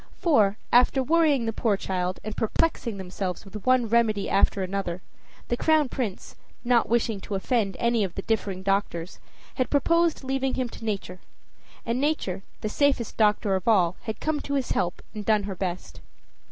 For, after worrying the poor child and perplexing themselves with one remedy after another, the Crown Prince, not wishing to offend any of the differing doctors, had proposed leaving him to Nature; and Nature, the safest doctor of all, had come to his help and done her best.